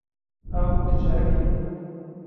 Ew diceribînin.